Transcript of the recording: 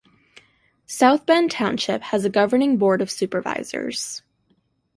South Bend Township has a governing Board of Supervisors.